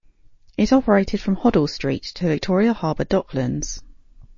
It operated from Hoddle Street to Victoria Harbour Docklands.